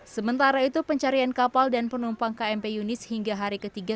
sementara itu pencarian kapal dan penumpang kmp yunis hingga hari ketiga